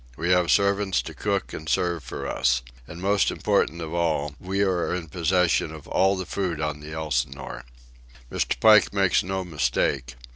We have servants to cook and serve for us. And, most important of all, we are in possession of all the food on the Elsinore. Mr. Pike makes no mistake.